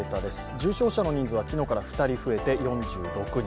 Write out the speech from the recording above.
重症者の人数は昨日から２人増えて４６人。